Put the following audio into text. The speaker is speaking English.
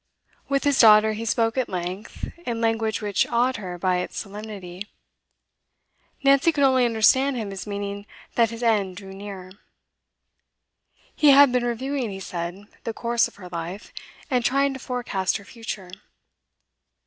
With his daughter he spoke at length, in language which awed her by its solemnity; Nancy could only understand him as meaning that his end drew near. He had been reviewing, he said, the course of her life, and trying to forecast her future.